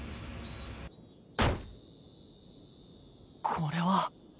これは。